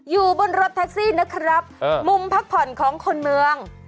อยู่บนรถแท็กซี่นะครับมุมพักผ่อนของคนเมือง